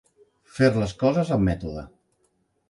Fer les coses amb mètode.